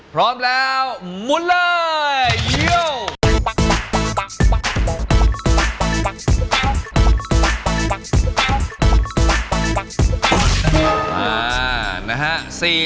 พร้อมแล้วหมุนเลย